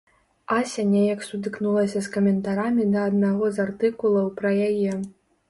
Ася неяк сутыкнулася з каментарамі да аднаго з артыкулаў пра яе.